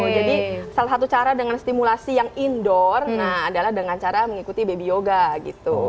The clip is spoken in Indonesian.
jadi salah satu cara dengan stimulasi yang indoor nah adalah dengan cara mengikuti baby yoga gitu